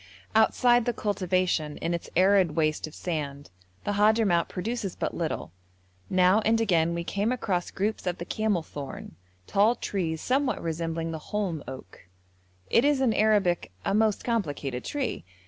Outside the cultivation in its arid waste of sand the Hadhramout produces but little; now and again we came across groups of the camelthorn, tall trees somewhat resembling the holm oak. It is in Arabic a most complicated tree.